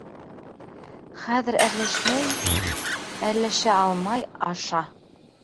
— Хәҙер әрләшмәй... әрләшә алмай, аша.